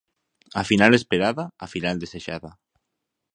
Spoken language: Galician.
A final esperada, a final desexada.